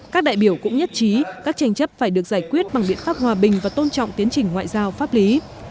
các đại biểu cũng nhất trí các tranh chấp phải được giải quyết bằng biện pháp hòa bình và tôn trọng tiến trình ngoại giao pháp lý